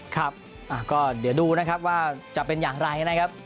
ครับก็เดี๋ยวดูนะครับว่าจะเป็นอย่างไรนะครับ